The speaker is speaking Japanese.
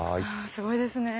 すごいですねぇ。